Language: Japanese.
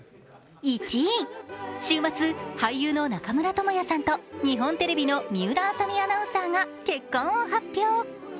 週末、俳優の中村倫也さんと日本テレビの水卜麻美アナウンサーが結婚を発表。